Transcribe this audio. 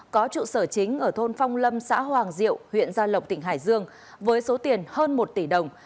có trụ sở chính ở thôn phong lâm xã hoàng diệu huyện gia lộc tp hcm với số tiền hơn một tỷ đồng